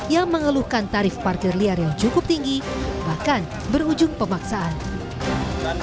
yang mengeluhkan tarif parkir liar yang cukup tinggi bahkan berujung pemaksaan